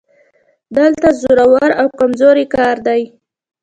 دلته زورور او کمزوری کار دی